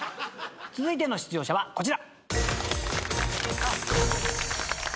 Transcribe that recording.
続いての出場者はこちら。